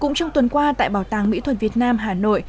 cũng trong tuần qua tại bảo tàng mỹ thuật việt nam hà nội